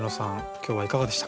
今日はいかがでしたか？